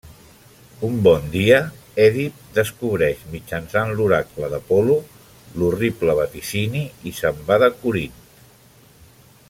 Un bon dia, Èdip descobreix mitjançant l'oracle d'Apol·lo l'horrible vaticini i se'n va de Corint.